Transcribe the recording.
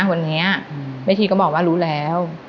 วันนี้แม่ชีก็บอกว่ารู้แล้ว